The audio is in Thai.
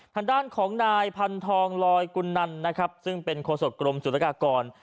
ทางด้านของนายพันธองลอยกุลนันนะครับซึ่งเป็นโฆษกรมศุลกากร